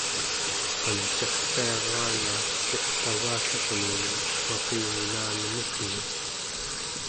ancarpiaraanga ciqpagallermini maqinginanemegni